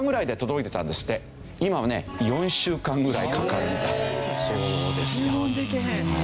今はね４週間ぐらいかかるんだそうですよ。